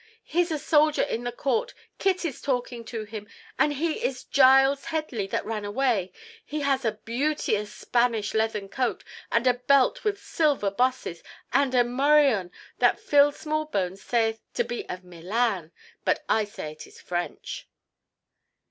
Here's a soldier in the court! Kit is talking to him. And he is Giles Headley that ran away. He has a beauteous Spanish leathern coat, and a belt with silver bosses—and a morion that Phil Smallbones saith to be of Milan, but I say it is French."